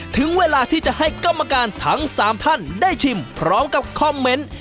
ถึงเวลาที่จะให้กรรมการทั้ง๓ท่านได้ชิมพร้อมกับคอมเมนต์